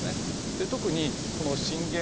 で特にこの震源。